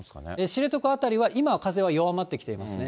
知床辺りは今は風は弱まってきていますね。